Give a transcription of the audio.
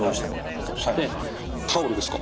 タオルですか。